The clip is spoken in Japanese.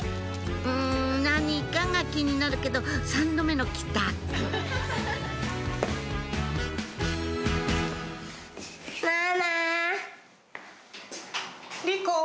うん何かが気になるけど３度目の帰宅莉子。